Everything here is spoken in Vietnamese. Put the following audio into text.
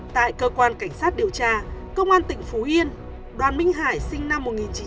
tại cơ quan cảnh sát điều tra công an tỉnh phú yên đoàn minh hải sinh năm một nghìn chín trăm tám mươi